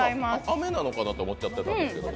硬めなのかなと思っちゃったんだけど。